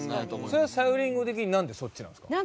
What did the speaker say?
それはさゆりんご的になんでそっちなんすか？